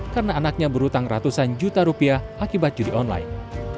karena anaknya berutang ratusan juta rupiah akibat judi online